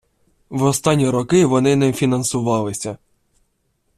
В останні роки вони не фінансувалися.